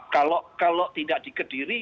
kalau tidak di kediri